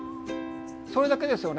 それだけですよね。